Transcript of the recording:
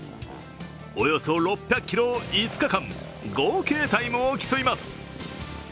およそ６００ｋｍを５日間、合計タイムを競います。